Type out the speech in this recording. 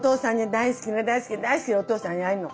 大好きな大好きな大好きなお父さんに会えるの。